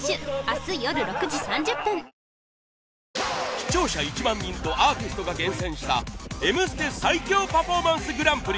視聴者１万人とアーティストが厳選した『Ｍステ』最強パフォーマンスグランプリ